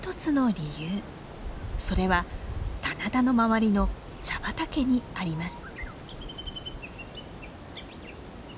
それは棚田の周りの茶畑にあります。